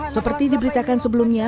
seperti diberitakan sebelumnya